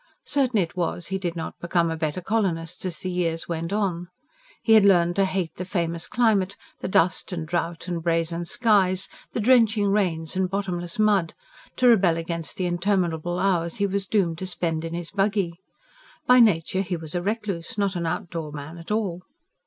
Certain it was, he did not become a better colonist as the years went on. He had learnt to hate the famous climate the dust and drought and brazen skies; the drenching rains and bottomless mud to rebel against the interminable hours he was doomed to spend in his buggy. By nature he was a recluse not an outdoor man at all.